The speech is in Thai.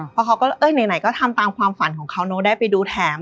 เพราะเขาก็เอ้ยไหนก็ทำตามความฝันของเขาเนอะได้ไปดูแถม